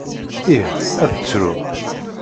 Ih, ad ttruɣ.